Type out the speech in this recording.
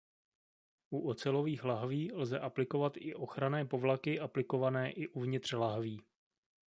U ocelových lahví lze aplikovat i ochranné povlaky aplikované i uvnitř lahví.